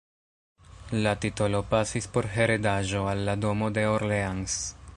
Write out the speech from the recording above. La titolo pasis por heredaĵo al la Domo de Orleans.